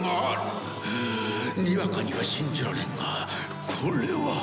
にわかには信じられんがこれは